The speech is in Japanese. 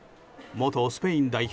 元スペイン代表